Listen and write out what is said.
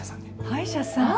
歯医者さん。